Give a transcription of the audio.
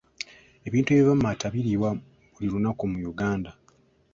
Ebintu ebiva mu mata biriibwa buli lunaku mu Uganda.